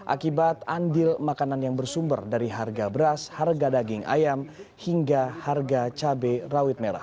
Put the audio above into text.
akibat andil makanan yang bersumber dari harga beras harga daging ayam hingga harga cabai rawit merah